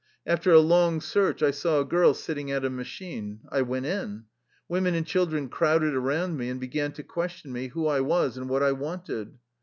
After a long search I saw a girl sitting at a machine. I went in. Women and children crowded around me and began to question me who I was and what I wanted.